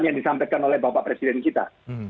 yang disampaikan oleh bapak presiden kita